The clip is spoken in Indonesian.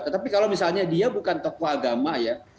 tetapi kalau misalnya dia bukan tokoh agama ya